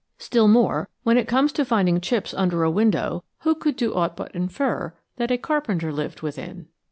Still more, when it comes to finding chips under a window who could do aught but infer that a carpenter lived within?